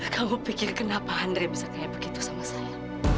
kamu pikir kenapa andre bisa kayak begitu sama saya